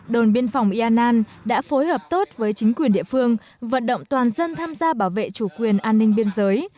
đồn biên phòng yên an đã phối hợp tốt với chính quyền địa phương vận động toàn dân tham gia bảo vệ chủ quyền an ninh biên giới